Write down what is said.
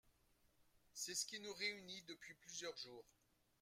C’est ce qui nous réunit depuis plusieurs jours.